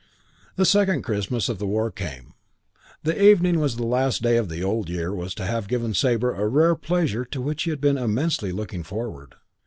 VII The second Christmas of the war came. The evening before the last day of the Old Year was to have given Sabre a rare pleasure to which he had been immensely looking forward.